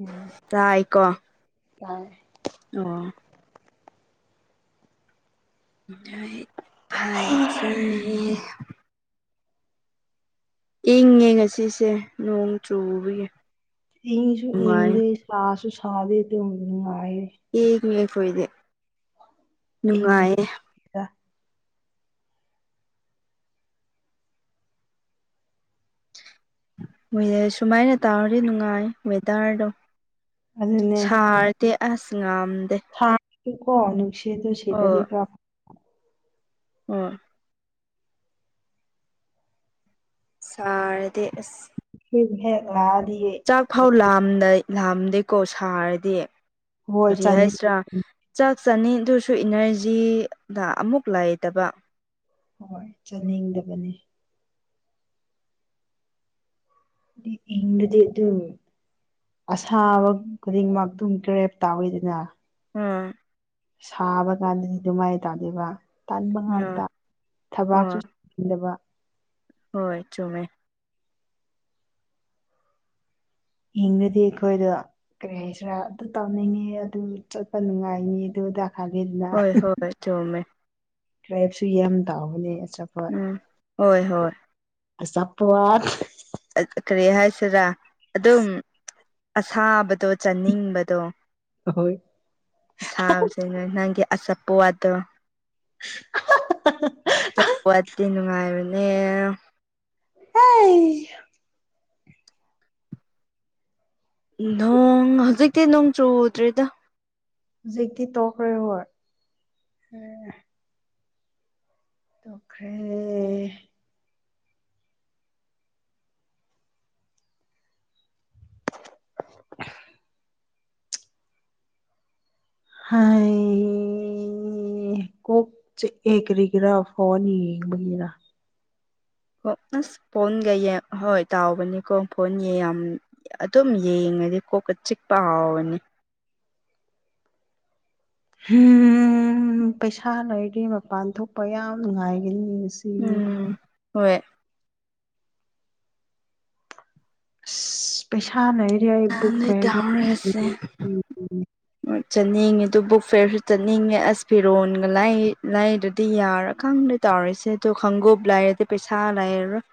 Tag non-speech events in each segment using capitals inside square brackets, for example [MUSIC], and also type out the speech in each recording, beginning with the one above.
ꯎꯝ ꯇꯥꯏꯀꯣ ꯇꯥꯔꯦ ꯑꯣ [UNINTELLIGIBLE] ꯏꯪꯉꯦ ꯉꯁꯤꯁꯦ ꯅꯣꯡ ꯆꯨꯕꯒꯤ ꯏꯪꯁꯨ ꯅꯨꯡꯉꯥꯏ ꯏꯪꯗꯦ ꯁꯥꯁꯨ ꯁꯥꯗꯦ ꯑꯗꯨꯡ ꯅꯨꯡꯉꯥꯏꯌꯦ [UNINTELLIGIBLE] ꯑꯩꯈꯣꯏꯗꯤ ꯏꯪꯕꯗꯤ ꯅꯨꯡꯉꯥꯏꯌꯦ ꯏꯪꯗ ꯋꯦꯗ꯭ꯔ ꯁꯨꯃꯥꯏꯅ ꯇꯧꯔꯗꯤ ꯅꯨꯡꯉꯥꯏ ꯋꯦꯗ꯭ꯔꯗꯣ ꯑꯗꯨꯅꯦ ꯁꯥꯔ ꯇ ꯑꯁ ꯉꯝꯗꯦ ꯁꯥꯔꯁꯨ ꯀꯣ ꯅꯨꯡꯁꯤꯠꯇꯣ ꯁꯤꯠꯂꯗꯤ ꯈ꯭ꯔ ꯐ ꯑꯥ ꯁꯥꯔꯗꯤ ꯑꯁ ꯌꯨꯝ ꯍꯦꯛ ꯂꯥꯛꯑꯗꯤ ꯆꯥꯛ ꯐꯥꯎ ꯂꯥꯝ ꯂꯥꯝꯗꯦꯀꯣ ꯁꯥꯔꯗꯤ ꯍꯣꯏ ꯀꯔꯤ ꯆꯥꯅꯤꯡ ꯍꯥꯏꯁꯤ꯭ꯔꯥ ꯆꯥꯛ ꯆꯥꯅꯤꯗꯨꯁꯨ ꯏꯅꯔꯖꯤꯗ ꯑꯃꯨꯛ ꯂꯩꯥꯏꯇꯕ ꯍꯣꯏ ꯆꯥꯅꯤꯡꯗꯕꯅꯦ ꯗꯤꯞ ꯌꯦꯡꯔꯗꯤ ꯑꯗꯨ ꯑꯁꯥꯕ [UNINTELLIGIBLE] ꯀ꯭ꯔꯦꯞ ꯇꯥꯎꯋꯤꯗꯅ ꯑꯥ ꯁꯥꯕ ꯀꯥꯟꯗꯗꯤ ꯑꯗꯨꯃꯥꯏ ꯇꯥꯗꯦꯕ ꯇꯟꯕ ꯎꯝ ꯉꯥꯛꯇ ꯊꯕꯥꯛꯁꯨ ꯍꯣꯏ ꯏꯪꯗꯕ ꯍꯣꯏ ꯆꯨꯝꯃꯦ ꯏꯪꯂꯗꯤ ꯑꯩꯈꯣꯏꯗꯣ ꯀꯔꯤ ꯍꯥꯏꯁꯤꯔꯥ ꯑꯗꯨ ꯇꯧꯅꯤꯡꯉꯦ ꯑꯗꯨ ꯆꯠꯄ ꯅꯨꯡꯉꯥꯏꯅꯤ ꯑꯗꯨꯗꯥ ꯊꯥꯕꯤꯗꯅ ꯍꯣꯏ ꯍꯣꯏ ꯆꯨꯝꯃꯦ ꯀ꯭ꯔꯦꯞꯁꯨ ꯌꯥꯝ ꯇꯥꯎꯕꯅꯦ ꯑꯆꯥꯄꯣꯠ ꯎꯝ ꯍꯣꯏ ꯍꯣꯏ ꯑꯆꯥꯄꯣꯠ ꯀꯔꯤ ꯍꯥꯏꯁꯤꯔꯥ ꯑꯗꯨꯝ ꯑꯁꯥꯕꯗꯣ ꯆꯥꯅꯤꯡꯕꯗꯣ ꯑꯍꯣꯏ ꯁꯥꯁꯅ ꯅꯪꯒꯤ ꯑꯆꯥꯄꯣꯠꯇꯣ ꯆꯠꯄꯇꯤ ꯅꯨꯡꯉꯥꯏꯕꯅꯦ ꯍꯩ ꯅꯣꯡ ꯍꯧꯖꯤꯛꯇꯤ ꯅꯣꯡ ꯆꯨꯗ꯭ꯔꯤꯗ ꯖꯤꯛꯇꯤ ꯇꯣꯛꯈ꯭ꯔꯦ ꯍꯣꯏ ꯎꯝ ꯇꯧꯈ꯭ꯔꯦ [INAUDIBLE] ꯍꯥꯏ ꯏ ꯀꯣꯛ ꯆꯤꯛꯑꯦ ꯀꯔꯤꯒꯤꯔꯥ ꯐꯣꯟ ꯌꯦꯡꯕꯒꯤꯔꯥ ꯍꯣꯏ ꯑꯁ ꯐꯣꯟꯒ ꯌꯦꯡ ꯍꯣꯏ ꯇꯥꯎꯕꯅꯤꯀꯣ ꯐꯣꯟ ꯌꯥꯝ ꯑꯗꯨꯝ ꯌꯦꯡꯉꯗꯤ ꯀꯣꯛꯀ ꯆꯤꯛꯄ ꯍꯧꯕꯅꯤ ꯄꯩꯁꯥ ꯂꯩꯗꯤ ꯃꯄꯥꯟ ꯊꯣꯛꯄ ꯌꯥꯝ ꯅꯨꯡꯉꯥꯏꯒꯅꯤ ꯁ ꯎꯝ ꯍꯣꯏ ꯑꯁ ꯄꯩꯁꯥ ꯂꯩꯔꯦ ꯑꯩ ꯕꯨꯛ ꯅꯣꯏ ꯐꯦꯌꯔꯒꯤ [UNINTELLIGIBLE] ꯂꯣꯏ ꯆꯠꯅꯤꯡꯉꯦ ꯑꯗꯨ ꯕꯨꯛ ꯐꯤꯌꯔꯁꯨ ꯆꯠꯅꯤꯡꯉꯦ ꯑꯁ ꯐꯤꯔꯣꯟꯒ ꯂꯩ ꯂꯩꯗ꯭ꯔꯗꯤ ꯌꯥꯔꯣꯏ ꯈꯪꯗꯦ ꯇꯧꯔꯤꯁꯦ ꯑꯗꯨ ꯈꯪꯒꯨꯞ ꯂꯥꯏꯔꯗꯤ ꯄꯩꯁꯥ ꯂꯩꯔꯔꯣꯏ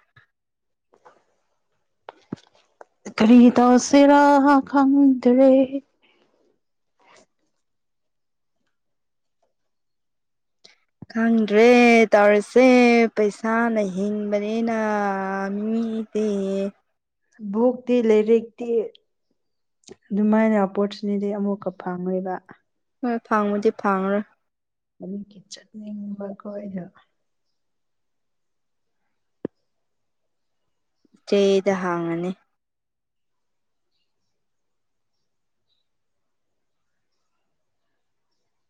ꯀ꯭ꯔꯤ ꯇꯧꯁꯤꯔꯥ ꯈꯪꯗ꯭ꯔꯦ ꯈꯪꯗ꯭ꯔꯦ ꯇꯧꯔꯤꯁꯦ ꯄꯩꯁꯥꯅ ꯍꯤꯡꯕꯅꯤꯅ ꯃꯤ ꯄꯤꯌꯦ ꯕꯨꯛꯇꯤ ꯂꯩꯔꯤꯛꯇꯤ ꯑꯗꯨꯃꯥꯏꯅ ꯑꯣꯄꯣꯔꯆꯨꯅꯤꯇꯤ ꯑꯃꯨꯛꯀ ꯐꯪꯉꯣꯏꯕ ꯍꯣꯏ ꯐꯪꯕꯨꯗꯤ ꯐꯪꯉꯔꯣꯏ ꯑꯗꯨꯗꯤ ꯆꯠꯅꯤꯡꯕꯀꯣ ꯑꯩꯅ ꯆꯦꯗ ꯍꯥꯡꯉꯅꯤ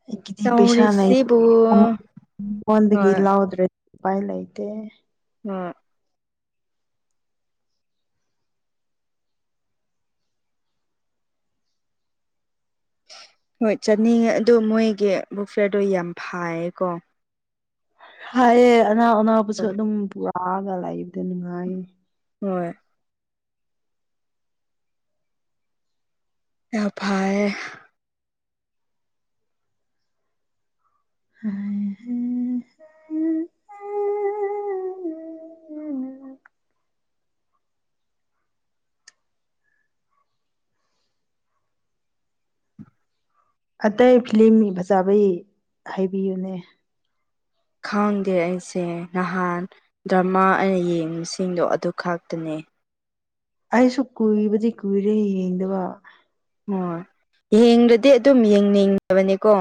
ꯑꯩꯒꯤꯗꯤ ꯄꯩꯁꯥ ꯂꯩ ꯇꯧꯔꯤꯁꯤꯕꯨ ꯑꯃ ꯐꯣꯟꯗꯒꯤ ꯍꯣꯏ ꯂꯧꯗ꯭ꯔꯦ ꯎꯄꯥꯏ ꯂꯩꯇꯦ ꯎꯝ ꯍꯣꯏ ꯆꯠꯅꯤꯡꯉꯦ ꯑꯗꯣ ꯃꯣꯏꯒꯤ ꯕꯨꯛ ꯐꯤꯌꯔꯗꯣ ꯌꯥꯝ ꯐꯥꯏꯌꯦꯀꯣ ꯐꯩꯌꯦ ꯑꯅꯧ ꯑꯅꯧꯕꯁꯨ ꯑꯗꯨꯝ ꯄꯨꯔꯛꯑꯒ ꯂꯩꯕꯗꯣ ꯅꯨꯡꯉꯥꯏꯌꯦ ꯍꯣꯏ ꯌꯥꯝ ꯐꯥꯏꯌꯦ ꯍꯥꯏ ꯍꯥꯏ ꯑꯇꯩ ꯐꯤꯂꯝꯒꯤ ꯐꯖꯕꯩ ꯍꯥꯏꯕꯤꯌꯨꯅꯦ ꯈꯪꯗꯦ ꯑꯩꯁꯦ ꯅꯍꯥꯟ ꯗ꯭ꯔꯃꯥ ꯑꯩ ꯌꯦꯡꯕꯁꯤꯡꯗꯣ ꯑꯗꯨ ꯈꯛꯇꯅꯦ ꯑꯩꯁꯨ ꯀꯨꯏꯕꯗꯤ ꯀꯨꯏꯔꯦ ꯌꯦꯡꯗꯕ ꯍꯣꯏ ꯌꯦꯡꯗ꯭ꯔꯗꯤ ꯑꯗꯨꯝ ꯌꯦꯡꯅꯤꯡ ꯑꯕꯅꯤꯀꯣ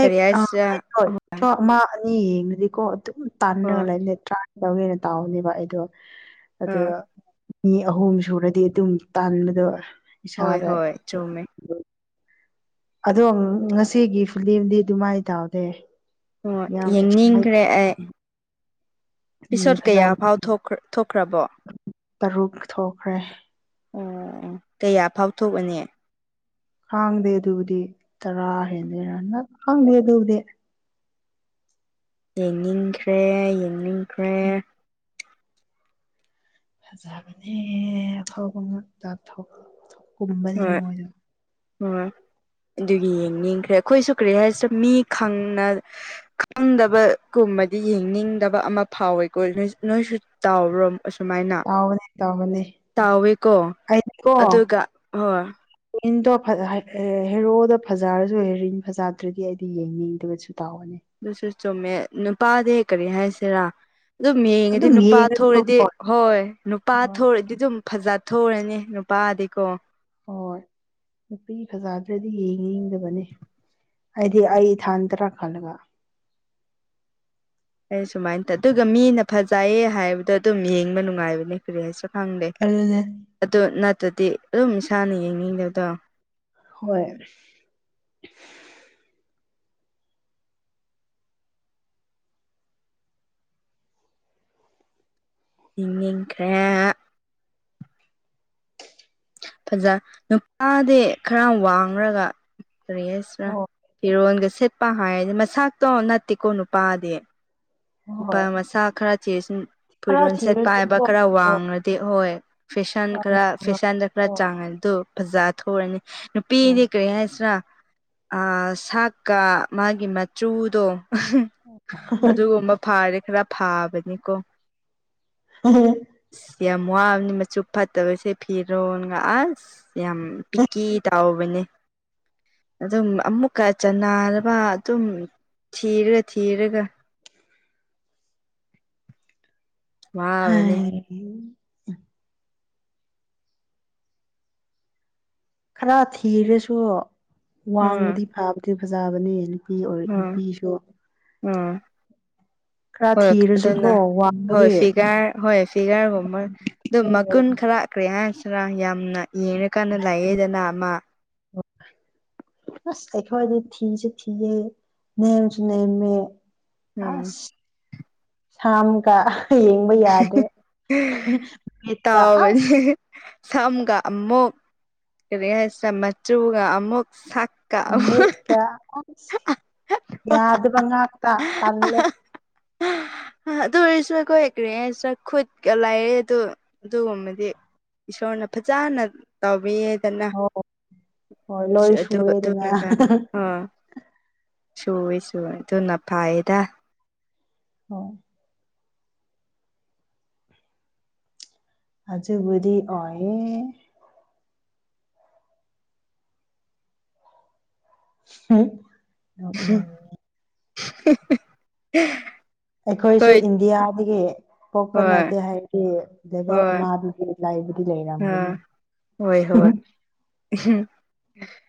ꯀꯔꯤ ꯍꯥꯏꯁꯤꯔꯥ ꯍꯣꯏ ꯁꯣ ꯑꯃ ꯑꯅꯤ ꯌꯦꯡꯉꯗꯤꯀꯣ ꯑꯗꯨꯝ ꯇꯥꯟꯅꯔ ꯍꯣꯏ ꯂꯩꯕꯅꯦ ꯇ꯭ꯔꯥ ꯂꯧꯒꯦꯅ ꯇꯥꯎꯅꯦꯕ ꯑꯩꯗꯣ ꯑꯗꯨ ꯑꯥ ꯃꯤ ꯑꯍꯨꯝ ꯁꯨꯔꯗꯤ ꯑꯗꯨꯝ ꯇꯟꯕꯗꯣ ꯍꯣꯏ ꯍꯣꯏ ꯆꯨꯝꯃꯦ ꯑꯗꯣ ꯉꯁꯤꯒꯤ ꯐꯤꯂꯦꯝꯗꯤ ꯑꯗꯨꯃꯥꯏ ꯇꯥꯎꯗꯦ ꯍꯣꯏ ꯌꯦꯡꯅꯤꯡꯈ꯭ꯔꯦ ꯑꯩ ꯄꯤꯁꯣꯠ ꯐꯖꯕ ꯀꯌꯥꯐꯥꯎ ꯊꯣꯛꯈ ꯊꯣꯛꯈ꯭ꯔꯕꯣ ꯇꯔꯨꯛ ꯊꯣꯛꯈ꯭ꯔꯦ ꯑꯣ ꯀꯌꯥ ꯐꯥꯎ ꯊꯣꯛꯑꯅꯤ ꯈꯥꯡꯗꯦ ꯑꯗꯨꯕꯨꯗꯤ ꯇꯔꯥ ꯍꯦꯟꯗꯣꯏꯔ ꯅ ꯈꯪꯗꯦ ꯑꯗꯨꯕꯨꯗꯤ ꯌꯦꯡꯅꯤꯡꯈ꯭ꯔꯦ ꯌꯦꯡꯅꯤꯡꯈ꯭ꯔꯦ ꯐꯖꯕꯅꯦ ꯑꯐꯥꯎꯕ ꯉꯥꯛꯇ ꯊꯧ ꯀꯨꯝꯕꯅꯦ ꯍꯣꯏ ꯃꯣꯏꯗꯣ ꯍꯣꯏ ꯑꯗꯨꯒꯤ ꯌꯦꯡꯅꯤꯡꯈ꯭ꯔꯦ ꯑꯩꯈꯣꯏꯁꯨ ꯀꯔꯤ ꯍꯥꯏꯁꯤꯔ ꯃꯤ ꯈꯪꯅ ꯈꯪꯗꯕꯒꯨꯝꯕꯗꯤ ꯌꯦꯡꯅꯤꯡꯗꯕ ꯑꯃ ꯐꯥꯎꯋꯦꯀꯣ ꯅꯣꯏꯁꯨ ꯇꯥꯎꯕ꯭ꯔꯣ ꯑꯁꯨꯃꯥꯏꯅ ꯇꯥꯎꯕꯅꯦ ꯇꯥꯎꯕꯅꯦ ꯇꯥꯎꯋꯦꯀꯣ ꯑꯗꯨꯒ ꯍꯣꯏ ꯔꯤꯟꯗꯣ ꯐꯖ ꯍꯦꯔꯣꯗꯣ ꯐꯖꯔꯁꯨ ꯍꯦꯔꯤꯟ ꯐꯖꯗ꯭ꯔꯗꯤ ꯑꯩꯗꯤ ꯌꯦꯡꯅꯤꯡꯗꯕꯁꯨ ꯇꯥꯎꯕꯅꯦ ꯑꯗꯨꯁꯨ ꯆꯨꯝꯃꯦ ꯅꯨꯄꯥꯗꯤ ꯀꯔꯤ ꯍꯥꯏꯁꯤꯔꯥ ꯑꯗꯨꯝ ꯌꯦꯡꯉꯗꯤ ꯑꯗꯨꯝ ꯅꯨꯄꯥ ꯌꯦꯡꯉꯅꯤ ꯊꯣꯛꯔꯗꯤ ꯍꯣꯏ ꯅꯨꯄꯥ ꯍꯣꯏ ꯊꯣꯛꯑꯗꯤ ꯑꯗꯨꯝ ꯐꯖ ꯊꯣꯛꯔꯅꯤ ꯅꯨꯄꯥꯗꯤꯀꯣ ꯍꯣꯏ ꯅꯨꯄꯤ ꯐꯖꯥꯗ꯭ꯔꯗꯤ ꯌꯦꯡꯅꯤꯡꯗꯕꯅꯦ ꯑꯩꯗꯤ ꯑꯩ ꯏꯊꯥꯟꯇꯔ ꯈꯜꯂꯒ ꯑꯩ ꯁꯨꯃꯥꯏꯅ ꯇꯧ ꯑꯗꯨꯒ ꯃꯤꯅ ꯐꯖꯩꯌꯦ ꯍꯥꯏꯕꯗꯣ ꯑꯗꯨꯝ ꯌꯦꯡꯕ ꯅꯨꯡꯉꯥꯏꯕꯅꯦ ꯀ꯭ꯔꯤ ꯍꯥꯏꯁꯤꯔ ꯈꯪꯗꯦ ꯑꯗꯨꯅꯦ ꯑꯗꯨ ꯅꯠꯇ꯭ꯔꯗꯤ ꯑꯗꯨꯝ ꯏꯁꯥꯅ ꯌꯦꯡꯅꯤꯡꯗꯕꯗꯣ ꯍꯣꯏ ꯌꯦꯡ ꯅꯤꯡꯈ꯭ꯔꯦ ꯐꯖ ꯅꯨꯄꯥꯗꯤ ꯈꯔ ꯋꯥꯡꯔꯒ ꯀꯔꯤ ꯍꯥꯥꯏꯁꯤꯔ ꯍꯣꯏ ꯐꯤꯔꯣꯟꯒ ꯁꯦꯠꯄ ꯍꯥꯏꯔꯗꯤ ꯃꯁꯥꯛꯇꯣ ꯅꯠꯇꯦꯀꯣ ꯅꯨꯄꯥꯗꯤ ꯅꯨꯄꯥ ꯍꯣꯏ ꯃꯁꯛ ꯈꯔ ꯊꯤꯔꯁꯨ ꯈꯔ ꯐꯤꯔꯣꯟ ꯁꯦꯠꯄ ꯍꯥꯏꯕ ꯊꯤꯔꯁꯨꯀꯣ ꯈꯔ ꯍꯣꯏ ꯋꯥꯡꯉꯗꯤ ꯍꯣꯏ ꯐꯦꯁꯟ ꯍꯣꯏ ꯈꯔ ꯍꯣꯏ ꯐꯦꯁꯟꯗ ꯈꯔ ꯍꯣꯏ ꯆꯥꯡꯉꯦ ꯑꯗꯨ ꯐꯖꯥ ꯊꯣꯛꯔꯅꯤ ꯅꯨꯄꯤꯗꯤ ꯀꯔꯤ ꯍꯥꯏꯁꯤꯔꯥ ꯑꯥ ꯁꯥꯛꯀ ꯃꯥꯒꯤ ꯃꯆꯨꯗꯣ ꯑꯗꯨꯒꯨꯝꯕ ꯐꯥꯔꯦ ꯈꯔ ꯐꯥꯕꯅꯤꯀꯣ [UNINTELLIGIBLE] ꯑꯁ ꯌꯥꯝ ꯋꯥꯕꯅꯤ ꯃꯆꯨ ꯐꯠꯇꯕꯁꯦ ꯐꯤꯔꯣꯟꯒ ꯑꯁ ꯌꯥꯝ ꯄꯤꯀꯤ ꯇꯥꯎꯕꯅꯦ ꯑꯗꯨꯝ ꯑꯃꯨꯛꯀ ꯆꯟꯅꯔꯕ ꯑꯗꯨꯝ ꯊꯤꯔ ꯊꯤꯔꯒ ꯋꯥꯕꯅꯦ ꯍꯥꯏ [UNINTELLIGIBLE] ꯈꯔ ꯊꯤꯔꯁꯨ ꯎꯝ ꯋꯥꯡꯕꯗꯤ ꯐꯥꯕꯗꯤ ꯐꯖꯕꯅꯦ ꯅꯨ ꯅꯨꯄꯤ ꯑꯣꯏ ꯎꯝ ꯅꯨꯄꯤꯁꯨ ꯎꯝ ꯈꯔ ꯍꯣꯏ ꯊꯤꯔꯁꯨ ꯀꯣ ꯑꯗꯨꯅ ꯋꯥꯡ ꯍꯣꯏ ꯐꯤꯒꯔ ꯍꯣꯏ ꯐꯤꯒꯔꯒꯨꯝꯕ ꯑꯗꯨꯝ ꯃꯀꯨꯟ ꯈꯔ ꯀ꯭ꯔꯤ ꯍꯥꯏꯁꯤꯔ ꯌꯥꯝꯅ ꯌꯦꯡꯉꯀꯥꯟꯗ ꯂꯥꯛꯑꯦꯗꯅ ꯑꯃ [INAUDIBLE] ꯑꯁ ꯑꯩꯈꯣꯏꯗꯤ ꯊꯤꯁꯨ ꯊꯤꯌꯦ ꯅꯦꯝꯁꯨ ꯅꯦꯝꯃꯦ ꯎꯝ ꯑꯁ ꯁꯥꯝ ꯒ ꯌꯦꯡꯕ ꯌꯥꯗ꯭ꯔꯦ ꯕꯤꯠꯀ ꯑꯁ ꯇꯥꯎꯕꯅꯦ ꯁꯝꯒ ꯑꯃꯨꯛ ꯀꯔꯤ ꯍꯥꯏꯁꯤꯔ ꯃꯆꯨꯒ ꯑꯃꯨꯛ ꯁꯛ ꯃꯤꯠ ꯀ ꯑꯁ ꯌꯥꯗꯕ ꯉꯥꯛꯇ ꯇꯜꯂꯦ ꯑꯍ ꯑꯗꯨ ꯑꯣꯏꯔꯁꯨ ꯑꯩꯈꯣꯏ ꯀꯔꯤ ꯍꯥꯏꯁꯤꯔ ꯈꯨꯠꯀ ꯂꯩꯌꯦ ꯑꯗꯨ ꯑꯗꯨꯒꯨꯝꯕꯗꯤ ꯏꯁꯣꯔꯅ ꯐꯖꯥꯅ ꯇꯥꯎꯕꯤꯌꯦ ꯇꯅ ꯑꯣ ꯍꯣꯏ ꯂꯣꯏ ꯑꯗꯨ ꯁꯨꯔꯦꯗꯅ ꯑꯗꯨꯅꯀ ꯑ ꯁꯨꯋꯦ ꯁꯨꯋꯦ ꯑꯗꯨꯅ ꯐꯥꯏꯌꯦꯗ ꯍꯣꯏ ꯑꯖꯨꯕꯨꯗꯤ ꯑꯣꯌꯦ ꯍꯨꯝ [UNINTELLIGIBLE] ꯑꯩꯈꯣꯏꯁꯨ ꯍꯣꯏ ꯏꯟꯗꯤꯌꯥꯗꯒꯤ ꯄꯣꯛꯄ ꯍꯣꯏ ꯅꯠꯇꯦ ꯍꯥꯏꯗꯤ ꯂꯦꯚꯦꯜ ꯍꯣꯏ ꯑꯃꯗꯗꯤ ꯂꯥꯏꯕꯨꯗꯤ ꯂꯩꯔꯝꯒꯅꯤ ꯑꯥ ꯍꯣꯏ ꯍꯣꯏ [UNINTELLIGIBLE]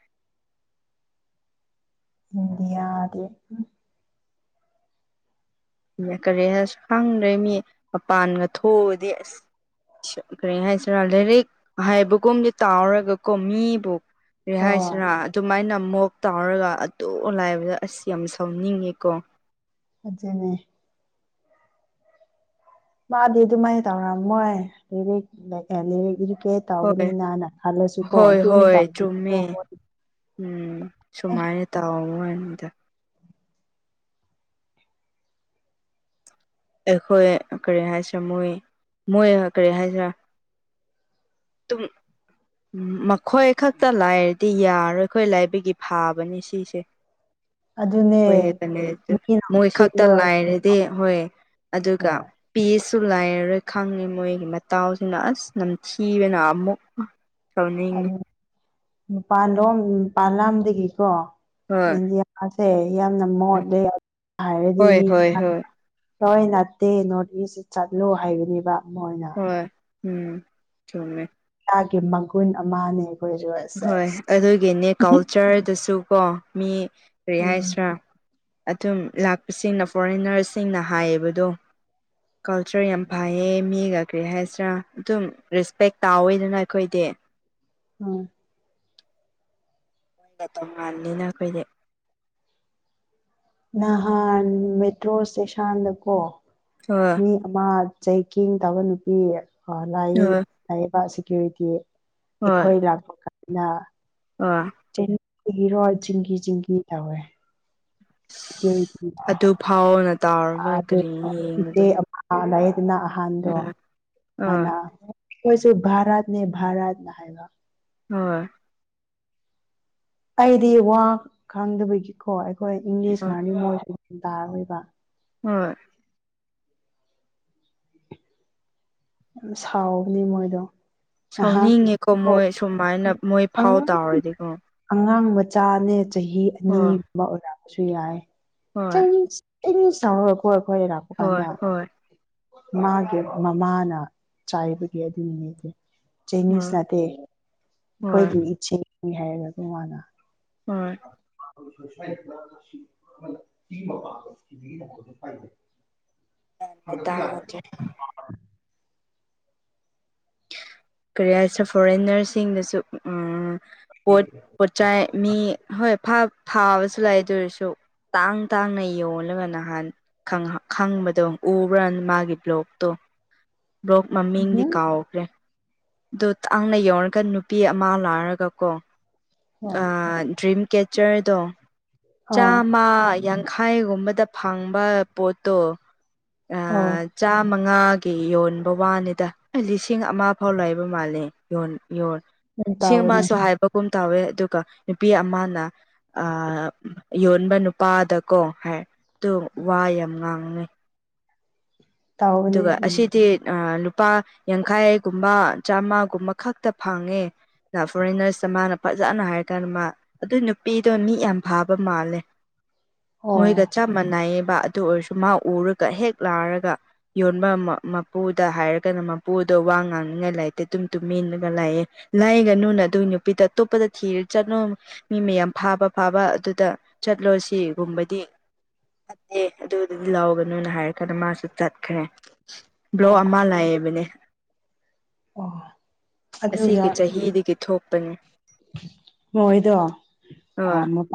ꯏꯗꯤꯌꯥꯗꯦ ꯍꯨꯝ ꯀꯔꯤ ꯍꯥꯏꯁꯨ ꯈꯪꯗ꯭ꯔꯦ ꯃꯤ ꯃꯄꯥꯟꯒ ꯊꯣꯛꯎꯔꯗꯤ ꯑꯁ ꯀꯔꯤ ꯍꯥꯏꯁꯤꯔꯥ ꯂꯥꯏꯔꯤꯛ ꯍꯥꯏꯕꯒꯨꯝꯗꯤ ꯇꯥꯎꯔꯒꯀꯣ ꯃꯤꯕꯨ ꯀꯔꯤ ꯍꯣꯏ ꯍꯥꯏꯁꯤꯔ ꯑꯗꯨꯃꯥꯏꯅ ꯑꯃꯨꯛ ꯇꯥꯎꯔꯒ ꯑꯗꯨꯛ ꯂꯥꯏꯕꯗ ꯑꯁ ꯌꯥꯝ ꯁꯥꯎꯅꯤꯡꯉꯦꯀꯣ ꯑꯗꯨꯅꯦ ꯃꯥꯗꯤ ꯑꯗꯨꯃꯥꯏꯅ ꯇꯧꯔꯝꯃꯣꯏ ꯂꯥꯏꯔꯤꯛ ꯑꯦ ꯂꯥꯏꯔꯤꯛ ꯌꯨꯀꯦꯠ ꯍꯣꯏ ꯇꯥꯎꯕꯅꯤꯅꯅ ꯈꯜꯂꯁꯨꯀꯣ ꯍꯣꯏ ꯑꯗꯨꯝ ꯍꯣꯏ ꯇꯧ ꯆꯨꯝꯃꯦ ꯎꯝ ꯁꯨꯃꯥꯏꯅ ꯇꯥꯎꯕ ꯋꯥꯅꯤꯗ ꯑꯩꯈꯣꯏ ꯀꯔꯤ ꯍꯥꯏꯁꯤꯔꯥ ꯃꯣꯏ ꯃꯣꯏ ꯀꯔꯤ ꯍꯥꯏꯁꯤꯔꯥ ꯇꯨꯝ ꯃꯈꯣꯏ ꯈꯛꯇ ꯂꯩꯔꯗꯤ ꯌꯥꯔꯣꯏ ꯑꯩꯈꯣꯏ ꯂꯥꯏꯕꯒꯤ ꯐꯥꯕꯅꯦ ꯁꯤꯁꯦ ꯑꯗꯨꯅꯦ ꯍꯣꯏ ꯑꯗꯨꯅꯤ ꯑꯗꯨ ꯃꯤꯅ ꯃꯣꯏ ꯈꯛꯇ ꯁꯦꯠꯂꯣꯏ ꯂꯥꯏꯔꯗꯤ ꯍꯣꯏ ꯑꯗꯨꯒ ꯍꯣꯏ ꯄꯤꯁꯁꯨ ꯂꯥꯏꯔꯔꯣꯏ ꯈꯪꯉꯤ ꯃꯣꯏꯒꯤ ꯃꯇꯥꯎꯁꯤꯅ ꯑꯁ ꯅꯝꯊꯤꯕꯅ ꯑꯃꯨꯛ ꯁꯥꯎꯅꯤꯡꯉꯤ ꯑꯗꯨ ꯅꯨꯄꯥꯜ ꯂꯣꯝ ꯅꯨꯄꯥꯥꯟ ꯂꯝꯗꯒꯤꯀꯣ ꯍꯣꯏ ꯏꯟꯗꯤꯌꯥ ꯑꯁꯦ ꯌꯥꯝꯅ ꯃꯣꯠꯂꯦ ꯍꯥꯏꯔꯗꯤ ꯍꯣꯏ ꯃꯤ ꯍꯣꯏ ꯍꯣꯏ ꯍꯣꯏ ꯅꯠꯇꯦ ꯅꯣꯔꯠ ꯏꯁꯇ ꯆꯠꯂꯨ ꯍꯥꯏꯕꯅꯦꯕ ꯃꯣꯏꯅ ꯍꯣꯏ ꯎꯝ ꯆꯨꯝꯃꯦ ꯏꯁꯥꯒꯤ ꯃꯒꯨꯟ ꯑꯃꯅꯦ ꯑꯩꯈꯣꯏꯁꯨ ꯑꯁ ꯍꯣꯏ ꯑꯁ ꯑꯗꯨꯒꯤꯅꯦ ꯀꯜꯆꯔꯗꯁꯨ ꯀꯣ ꯃꯤ ꯀꯔꯤ ꯎꯝ ꯍꯥꯏꯁꯤꯔꯥ ꯑꯗꯨꯝ ꯂꯥꯛꯄꯁꯤꯡꯅ ꯐꯣꯔꯦꯟꯅꯔꯁꯤꯡꯅ ꯍꯥꯏꯌꯦꯕꯗꯣ ꯀꯜꯆꯔ ꯌꯥꯝ ꯐꯩꯌꯦ ꯃꯤꯒ ꯀꯔꯤ ꯍꯥꯏꯁꯤꯔꯥ ꯑꯗꯨꯝ ꯔꯦꯁꯄꯦꯛ ꯇꯥꯎꯋꯤꯗꯨꯅ ꯑꯩꯈꯣꯏꯗꯤ ꯎꯝ ꯇꯣꯉꯥꯟꯅꯤꯅ ꯑꯩꯈꯣꯏꯗꯤ ꯅꯍꯥꯟ ꯃꯦꯇ꯭ꯔꯣ ꯏꯁꯇꯦꯁꯥꯟꯗꯀꯣ [UNINTELLIGIBLE] ꯑꯃ ꯆꯦꯀꯤꯡ ꯇꯧꯕ ꯅꯨꯄꯤ ꯂꯥꯏꯌꯦ ꯍꯣꯏ ꯂꯩꯌꯦꯕ ꯁꯦꯀ꯭ꯌꯨꯔꯤꯇꯤ ꯑꯩꯈꯣꯏ ꯂꯥꯛꯄ ꯀꯥꯟꯗ ꯑ ꯆꯦꯡꯒꯤꯔꯣ ꯆꯤꯡꯒꯤ ꯆꯤꯡꯒꯤ ꯇꯧꯋꯦ ꯁꯦꯀ꯭ꯌꯨꯔꯤ [UNINTELLIGIBLE] ꯑꯗꯨ ꯐꯥꯎꯅ ꯇꯥꯎꯔꯒ ꯑꯥ ꯀꯔꯤ [UNINTELLIGIBLE] ꯏꯇꯦ ꯌꯦꯡꯕꯗꯣ ꯑꯥ ꯂꯩꯌꯦꯗꯅ ꯑꯍꯟꯗꯣ ꯑꯥ ꯑꯥ ꯃꯅꯥ ꯈꯣꯏꯁꯨ ꯚꯥꯔꯠꯅꯦ ꯚꯥꯔꯠꯅ ꯍꯥꯏꯕ ꯑꯥ ꯑꯩꯗꯤ ꯋꯥ ꯈꯪꯗꯕꯒꯤꯀꯣ ꯑꯩꯈꯣꯏ ꯏꯪꯂꯤꯁ ꯍꯣꯏ ꯉꯥꯡꯅꯤ ꯃꯣꯏꯁꯨ ꯇꯥꯔꯣꯏꯕ ꯑꯥ ꯌꯥꯝ ꯁꯥꯎꯕꯅꯦ ꯃꯣꯏꯗꯣ ꯅꯍꯥꯟ ꯁꯥꯎꯅꯤꯡꯉꯦꯀꯣ ꯃꯣꯏ ꯁꯨꯃꯥꯏꯅ ꯃꯣꯏ ꯐꯥꯎ ꯑꯉꯥꯡ ꯇꯥꯎꯔꯗꯤꯀꯣ ꯑꯉꯥꯡ ꯃꯆꯥꯅꯦ ꯆꯍꯤ ꯍꯣꯏ ꯑꯅꯤꯒꯨꯝꯕ ꯑꯣꯏꯔꯝꯕꯁꯨ ꯌꯥꯏ ꯍꯣꯏ ꯆꯥꯏꯅꯤꯁ ꯆꯥꯏꯅꯤꯁ ꯇꯧꯔꯒꯀꯣ ꯑꯩꯈꯣꯏ ꯂꯥꯛꯄ ꯍꯣꯏ ꯀꯥꯟꯗ ꯍꯣꯏ ꯃꯥꯒꯤ ꯃꯃꯥꯅ ꯆꯥꯏꯕꯒꯤ ꯑꯗꯨꯒꯤꯅꯤꯇꯦ ꯆꯥꯢꯅꯤꯁ ꯍꯣꯏ ꯅꯠꯇꯦ ꯍꯣꯏ ꯑꯩꯈꯣꯏꯒꯤ ꯁꯤꯅꯤ ꯍꯥꯏꯔꯒꯀꯣ ꯃꯥꯅ ꯍꯣꯏ [UNINTELLIGIBLE] [UNINTELLIGIBLE] [UNINTELLIGIBLE] ꯀꯔꯤ ꯍꯥꯏꯁꯤꯔ ꯐꯣꯔꯦꯟꯅꯔꯁꯤꯡꯗꯁꯨ ꯎꯝ ꯄꯣꯠ ꯄꯣꯠꯆꯥꯏ ꯃꯤ ꯍꯣꯏ ꯐꯥ ꯐꯥꯕꯁꯨ ꯂꯩ ꯑꯗꯨ ꯑꯣꯏꯔꯁꯨ ꯇꯥꯡ ꯇꯥꯡꯅ ꯌꯣꯜꯂꯒ ꯅꯍꯥꯟ ꯈꯪꯍ ꯈꯪꯕꯗꯣ ꯎꯕ꯭ꯔꯥ ꯃꯥꯒꯤ ꯕ꯭ꯂꯣꯛꯇꯣ ꯕ꯭ꯂꯣꯛ ꯃꯃꯤꯡꯗꯤ ꯎꯝ ꯀꯥꯎꯈ꯭ꯔꯦ ꯑꯗꯨ ꯇꯥꯡꯅ ꯌꯧꯔꯒ ꯅꯨꯄꯤ ꯑꯃ ꯂꯥꯛꯔꯒꯀꯣ ꯑꯣ ꯑꯥ ꯗ꯭ꯔꯤꯝ ꯀꯦꯆꯔꯗꯣ ꯑꯥ ꯆꯥꯝꯃ ꯌꯥꯡ ꯈꯥꯢ ꯒꯨꯝꯕꯗ ꯐꯪꯕ ꯄꯣꯠꯇꯣ ꯍꯣ ꯆꯥꯝꯃꯉꯥꯒꯤ ꯌꯣꯟꯕ ꯋꯥꯅꯤꯗ ꯂꯤꯁꯤꯡ ꯑꯃ ꯐꯥꯎ ꯂꯩꯕ ꯃꯥꯜꯂꯦ ꯌꯣꯟ ꯌꯣꯟ ꯌꯥꯝ ꯂꯤꯁꯤꯡ ꯇꯥꯎꯕꯅꯦ ꯑꯃꯁꯨ ꯍꯥꯏ ꯕꯒꯨꯝ ꯇꯧꯋꯦ ꯑꯗꯨꯒ ꯅꯨꯄꯤ ꯑꯃꯅ ꯑꯥ ꯌꯣꯟꯕ ꯅꯨꯄꯥꯗꯀꯣ ꯍꯥꯏꯗꯣ ꯋꯥ ꯌꯥꯝ ꯉꯥꯡꯉꯤ ꯇꯥꯎꯕꯅꯦ ꯑꯗꯨꯒ ꯎꯝ ꯑꯁꯤꯗꯤ ꯑ ꯂꯨꯄꯥ ꯌꯥꯡꯈꯥꯢꯒꯨꯝꯕ ꯆꯥꯝꯃꯒꯨꯝꯕ ꯈꯛꯇ ꯐꯪꯉꯦ ꯇ ꯐꯣꯔꯦꯟꯅꯔꯁꯇ ꯃꯥꯅ ꯐꯖꯅ ꯍꯥꯏꯔ ꯀꯥꯟꯗ ꯃꯥ ꯑꯗꯨꯢ ꯅꯨꯄꯤꯗꯣ ꯃꯤ ꯌꯥꯝ ꯐꯥꯕ ꯃꯥꯜꯂꯦ ꯑꯣ ꯃꯣꯏꯒ ꯆꯞ ꯃꯥꯟꯅꯩꯌꯦꯕ ꯑꯗꯨ ꯑꯣꯏꯔꯁꯨ ꯃꯥ ꯎꯔꯒ ꯍꯦꯛ ꯂꯥꯛꯔꯒ ꯌꯣꯟꯕ ꯃ ꯃꯄꯨꯗ ꯍꯥꯏꯔꯒꯅ ꯃꯄꯨꯗꯣ ꯋꯥ ꯉꯥꯡꯅꯤꯡꯉꯥꯏ ꯂꯩꯥꯇꯦ ꯗꯨꯝ ꯇꯨꯝꯃꯤꯟꯅꯒ ꯂꯩꯌꯦ ꯂꯩꯒꯅꯨꯅ ꯑꯗꯨ ꯅꯨꯄꯤꯗ ꯑꯇꯣꯞꯄꯗ ꯊꯤꯔ ꯆꯠꯅꯨ ꯃꯤ ꯃꯌꯥꯝ ꯐꯥꯕ ꯐꯥꯕ ꯑꯗꯨꯗ ꯆꯠꯂꯨ ꯁꯤꯒꯨꯝꯕꯗꯤ ꯐꯠꯇꯦ ꯑꯗꯨꯗꯨꯒꯤ ꯂꯥꯎꯒꯅꯨꯅ ꯍꯥꯏꯔ ꯀꯥꯟꯗ ꯃꯥꯁꯨ ꯆꯠ ꯈ꯭ꯔꯦ ꯕ꯭ꯂꯣꯛ ꯑꯃ ꯂꯥꯢꯕꯅꯦ ꯑꯣ ꯑꯗꯨꯒ ꯑꯁꯤꯒꯤ ꯆꯍꯤꯗꯒꯤ ꯊꯣꯛꯄꯅꯦ ꯃꯣꯏꯗꯣ ꯍꯣꯏ [UNINTELLIGIBLE]